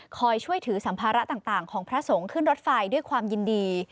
คอยช่วยถือสัมภาระต่างของพระสงฆ์ขึ้นรถไฟด้วยความยินดี